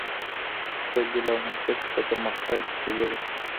دليل او منطق د پرمختګ کيلي ده.